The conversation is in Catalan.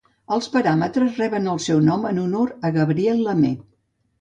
Els paràmetres reben el seu nom en honor a Gabriel Lamé.